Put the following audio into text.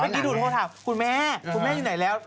เมื่อกี้ถูกโทรถามคุณแม่คุณแม่อยู่ไหนแล้ว